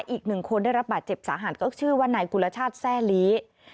อีกหนึ่งคนได้รับบาดเจ็บสาหัสก็ชื่อว่านายกุลชาติแซ่ลี